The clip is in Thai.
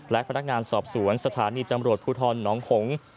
และพนักงานสอบสวนสถานีตำรวจภูทรหนองหงษ์